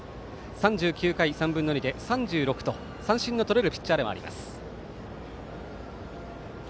３９回、３分の２で３６と三振のとれるピッチャーです。